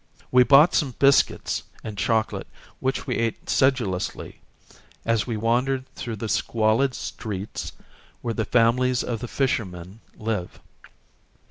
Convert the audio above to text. We bought some biscuits and chocolate which we ate sedulously as we wandered through the squalid streets where the families of the fishermen live.